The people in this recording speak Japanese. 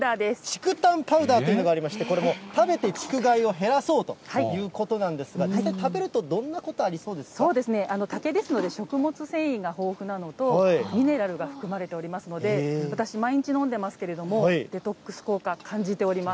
竹炭パウダーというのがありまして、これもう、食べて竹害を減らそうということなんですが、実際、食べるとどんそうですね、竹ですので、食物繊維が豊富なのと、ミネラルが含まれておりますので、私、毎日飲んでますけれども、デトックス効果、感じております。